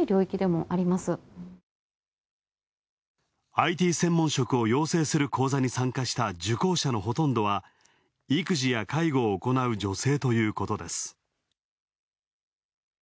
ＩＴ専門職を養成する講座に参加した受講者のほとんどは育児や介護をする女性ということです。